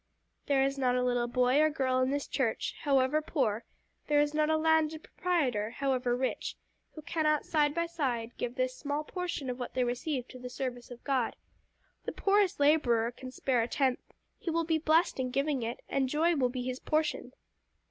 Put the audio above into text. "There is not a little boy or girl in this church, however poor; there is not a landed proprietor, however rich, who cannot side by side give this small portion of what they receive to the service of God. The poorest labourer can spare a tenth; he will be blessed in giving it, and joy will be his portion."